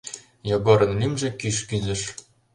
Йогорын лӱмжӧ кӱш кӱзыш.